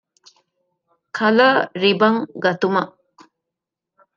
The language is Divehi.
ކަލަރ ރިބަން ގަތުމަށް